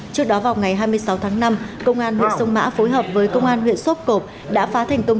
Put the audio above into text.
trước đó vào ngày hai mươi sáu tháng năm công an huyện sông mã phối hợp với công an huyện sốp cộp đã phá thành công